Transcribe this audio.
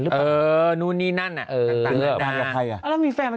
เออนู่นนี่นั่นน่ะเออ